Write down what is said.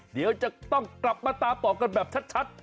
เดี๋ยวจะต้องกลับมาตามต่อกันแบบชัด